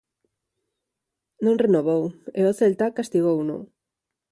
Non renovou e o Celta castigouno.